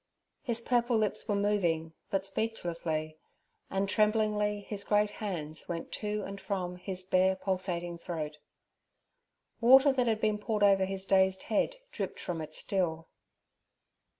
His purple lips were moving, but speechlessly, and tremblingly his great hands went to and from his bare, pulsating throat. Water that had been poured over his dazed head dripped from it still.